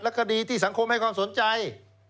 แล้วก็ดีที่สังคมให้ความสนใจ